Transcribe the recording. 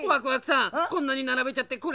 こんなにならべちゃってこれどうするの？